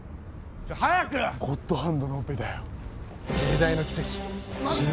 あッゴッドハンドのオペだよ永大の奇跡手術